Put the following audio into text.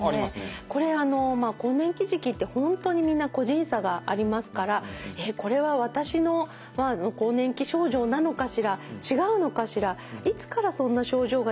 これあのまあ更年期時期って本当にみんな個人差がありますからこれは私の更年期症状なのかしら違うのかしらいつからそんな症状が出るの？